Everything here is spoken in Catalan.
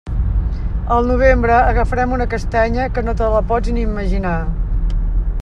Al novembre agafarem una castanya que no te la pots ni imaginar.